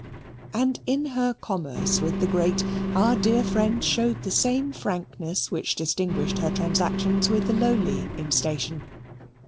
And in her commerce with the great our dear friend showed the same frankness which distinguished her transactions with the lowly in station.